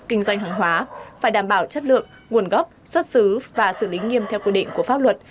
kinh doanh hàng hóa phải đảm bảo chất lượng nguồn gốc xuất xứ và xử lý nghiêm theo quy định của pháp luật